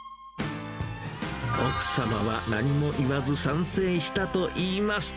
奥様は何も言わず、賛成したといいます。